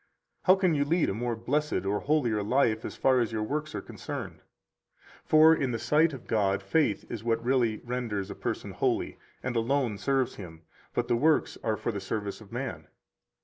How can you lead a more blessed or holier life as far as your works are concerned? 147 For in the sight of God faith is what really renders a person holy, and alone serves Him, but the works are for the service of man.